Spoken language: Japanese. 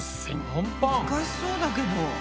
難しそうだけど。